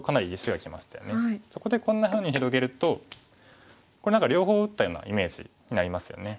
そこでこんなふうに広げるとこれ何か両方打ったようなイメージになりますよね。